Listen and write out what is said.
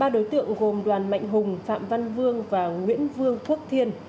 ba đối tượng gồm đoàn mạnh hùng phạm văn vương và nguyễn vương quốc thiên